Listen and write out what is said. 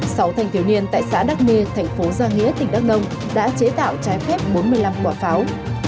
sáu thanh thiếu niên tại xã đắc nê thành phố giang nghĩa tỉnh đắk nông đã chế tạo trái phép bốn mươi năm quả pháo